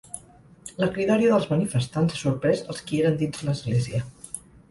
La cridòria dels manifestants ha sorprès els qui eren dins l’església.